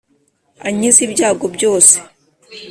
ankize ibyago byose